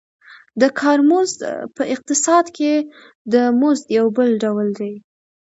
د کار مزد په اقتصاد کې د مزد یو بل ډول دی